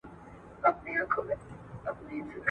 زه هره ورځ د کتابتون پاکوالی کوم